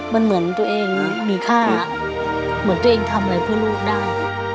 มันเหมือนตัวเองมีค่าเหมือนตัวเองทำอะไรเพื่อลูกได้